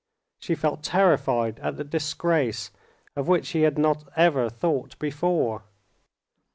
She felt terrified at the disgrace, of which she had not ever thought before.